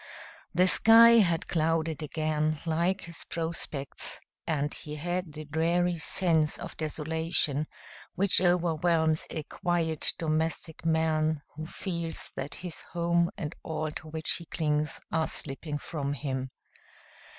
The sky had clouded again, like his prospects, and he had the dreary sense of desolation which overwhelms a quiet, domestic man who feels that his home and all to which he clings are slipping from him.